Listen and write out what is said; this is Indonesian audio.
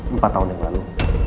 empat tahun yang lalu